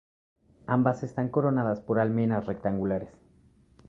Ambas están coronadas por almenas rectangulares.